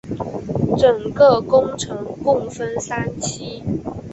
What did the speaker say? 整个工程共分三期。